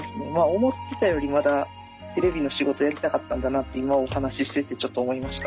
思ってたよりまだテレビの仕事やりたかったんだなって今お話ししててちょっと思いました。